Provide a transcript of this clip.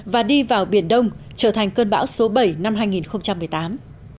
và đi vào biển đông trở thành cơn bão số bảy năm hai nghìn một mươi tám